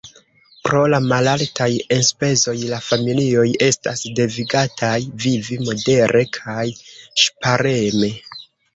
Pro la malaltaj enspezoj, la familioj estas devigataj vivi modere kaj ŝpareme.